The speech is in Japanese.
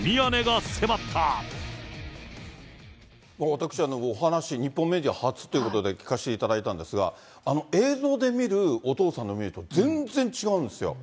私、お話、日本メディア初ということで、聞かせていただいたんですが、あの映像で見るお父さんのイメージと全然違うんですよ。